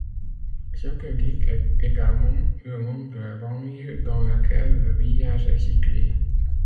Sloterdijk est également le nom de la banlieue dans laquelle le village est situé.